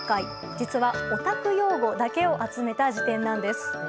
実は、オタク用語だけを集めた辞典なんです。